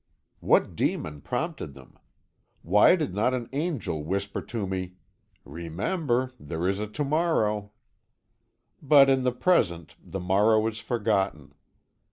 "What demon prompted them? Why did not an angel whisper to me, 'Remember. There is a to morrow.' "But in the present the morrow is forgotten.